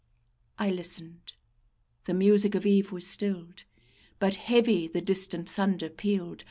I listened; the music of eve was stilled; But heavy the distant thunder pealed.